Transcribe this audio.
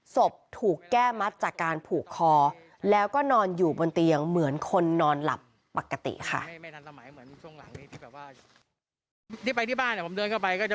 ศพถูกแก้มัดจากการผูกคอแล้วก็นอนอยู่บนเตียงเหมือนคนนอนหลับปกติค่ะ